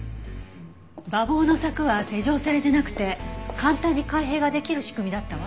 馬房の柵は施錠されてなくて簡単に開閉ができる仕組みだったわ。